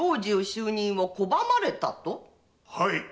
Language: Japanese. はい。